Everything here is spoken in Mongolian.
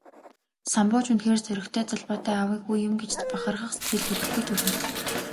Самбуу ч үнэхээр зоригтой, золбоотой аавын хүү юм гэж бахархах сэтгэл эрхгүй төрнө.